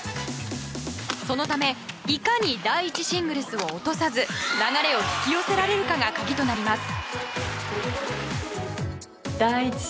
そのため、いかに第１シングルスを落とさず流れを引き寄せられるかが鍵となります。